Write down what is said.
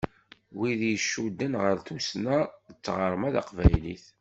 Wid i icudden ɣer tussna d tɣerma taqbaylit.